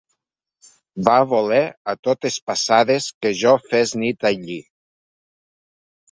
Va voler a totes passades que jo fes nit allí.